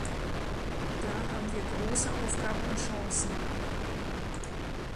Da haben wir große Aufgaben und Chancen.